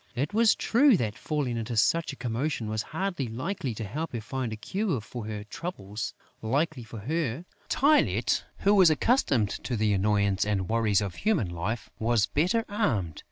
It was true that falling into such a commotion was hardly likely to help her find a cure for her troubles. Luckily for her, Tylette, who was accustomed to the annoyances and worries of human life, was better armed.